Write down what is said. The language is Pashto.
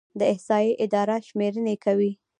د احصایې اداره شمیرنې کوي